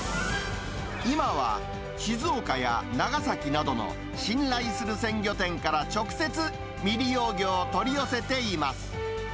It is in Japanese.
今は、静岡や長崎などの、信頼する鮮魚店から、直接、未利用魚を取り寄せています。